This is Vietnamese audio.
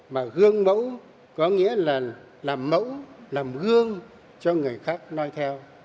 mà gương mẫu có nghĩa là làm mẫu làm gương cho người khác nói theo